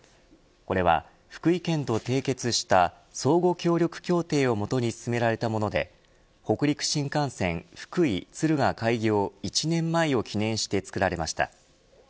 これは福井県と締結した相互協力協定をもとに進められたもので北陸新幹線福井、敦賀開業１年を記念して作られました。